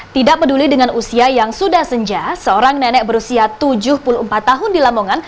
tidak peduli dengan usia yang sudah senja seorang nenek berusia tujuh puluh empat tahun di lamongan